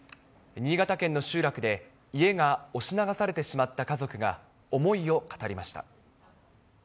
新潟県の集落で、家が押し流されてしまった家族が、思いを語りました。